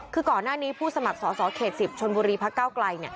คือก่อนหน้านี้ผู้สมัครสอสอเขต๑๐ชนบุรีพักเก้าไกล